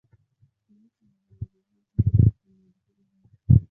كان سامي لا يزال يسمع موسيقى النّادي في آذانه.